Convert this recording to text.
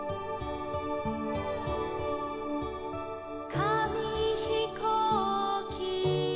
「かみひこうき」